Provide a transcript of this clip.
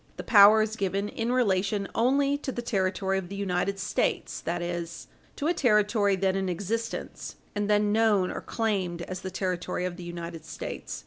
The power is given in relation only to the territory of the United States that is, to a territory then in existence, and then known or claimed as the territory of the United States.